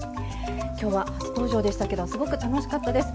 今日は初登場でしたけどすごく楽しかったです。